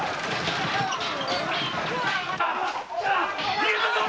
逃げたぞ！